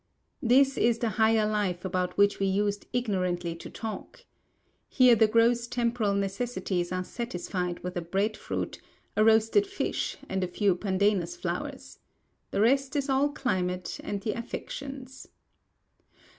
This is the Higher Life about which we used ignorantly to talk. Here the gross temporal necessities are satisfied with a breadfruit, a roasted fish, and a few pandanus flowers. The rest is all climate and the affections.